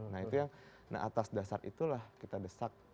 nah itu yang nah atas dasar itulah kita desak